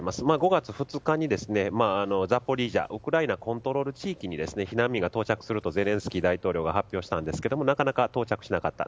５月２日に、ザポリージャウクライナコントロール地域に避難民が到着するとゼレンスキー大統領が発表したんですがなかなか到着しなかった。